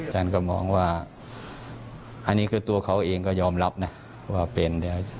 ท่านก็มองว่าอันนี้คือตัวเขาเองก็ยอมรับนะว่าเป็นแล้ว